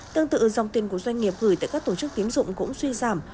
tương tự dòng tiền của doanh nghiệp gửi tại các tổ chức tiến dụng cũng suy giảm